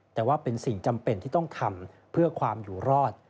แต่ว่าเป็นสิ่งจำเป็นที่ต้องทำเพื่อความอยู่รอด